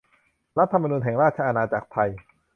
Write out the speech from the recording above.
รัฐธรรมนูญแห่งราชอาณาจักรไทย